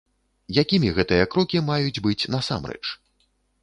Якімі гэтыя крокі маюць быць насамрэч?